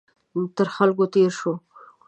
تر خلکو تېر شو.